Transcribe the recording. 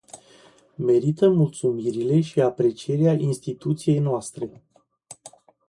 Merită mulțumirile și aprecierea instituției noastre.